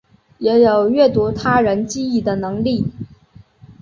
也有阅读他人记忆的能力。